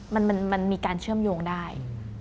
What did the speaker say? มันมีการเชื่อมโยงได้